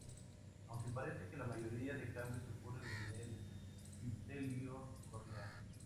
Aunque parece que la mayoría de cambios ocurren en el epitelio corneal.